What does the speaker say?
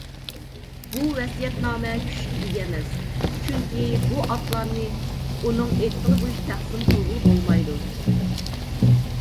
بۇ ۋەسىيەتنامە كۈچكە ئىگە ئەمەس، چۈنكى بۇ ئاتلارنى ئۇنىڭ ئېيتىقىنى بويىچە تەقسىم قىلغىلى بولمايدۇ.